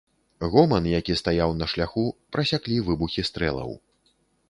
Гоман, які стаяў на шляху, прасяклі выбухі стрэлаў.